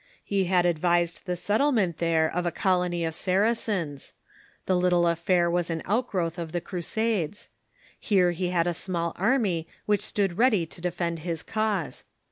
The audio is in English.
He had advised the set tlement there of a colony of Saracens. The little affair was an outgrowth of the Crusades. Here he had a small army w'hich stood ready to defend his cause.